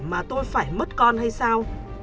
mà tôi phải mất con hay sao